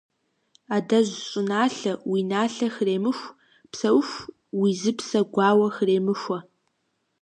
Адэжь щӀыналъэ, уи налъэ хремыху, Псэуху уи зыпсэ гуауэ хремыхуэ.